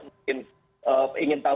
mungkin ingin tahu